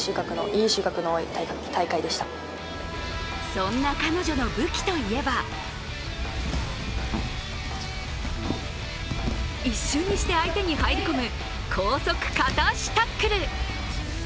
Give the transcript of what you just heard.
そんな彼女の武器といえば一瞬にして相手に入り込む高速片足タックル。